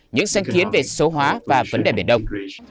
những sáng kiến về số hóa và vấn đề biển đông